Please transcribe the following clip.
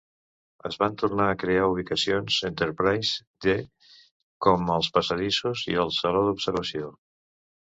Es van tornar a crear ubicacions "Enterprise" -D com els passadissos i el saló d'observació.